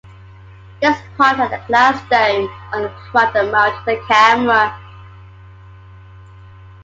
This pod had a glass dome on the front and mounted a camera.